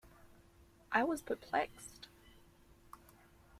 I was perplexed.